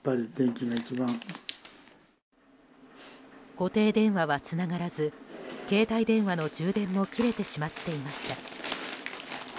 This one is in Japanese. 固定電話はつながらず携帯電話の充電も切れてしまっていました。